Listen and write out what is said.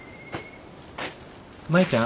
舞ちゃん。